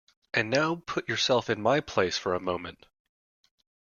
And now put yourself in my place for a moment.